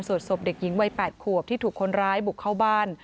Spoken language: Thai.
ส่วนศพเด็กหญิงวัย๘ขวบที่ถูกคนร้ายบุกเข้าบ้าน